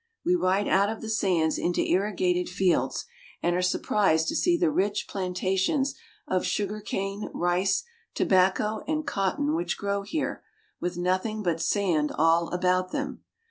We ride out of the sands into irrigated fields, and are surprised to see the rich planta tions of sugar cane, rice, tobacco, and cotton which grow here, with nothing but sand all about them.